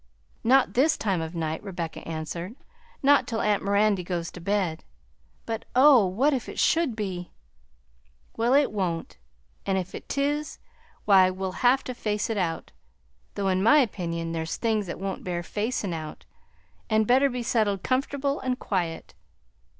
"Not this time of night," Rebecca answered; "not till aunt Mirandy goes to bed; but oh! what if it should be?" "Well, it won't; an' if 't is, why we'll have to face it out; though in my opinion there's things that won't bear facin' out an' had better be settled comfortable an' quiet.